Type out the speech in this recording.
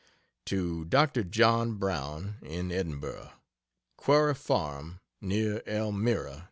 To Dr. John Brown, in Edinburgh: QUARRY FARM, NEAR ELMIRA, N.